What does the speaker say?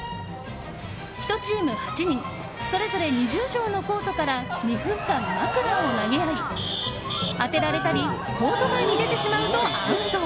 １チーム８人それぞれ２０畳のコートから２分間まくらを投げ合い当てられたりコート外に出てしまうとアウト。